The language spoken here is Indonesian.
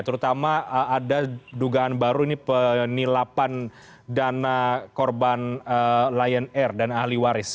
terutama ada dugaan baru ini penilapan dana korban lion air dan ahli waris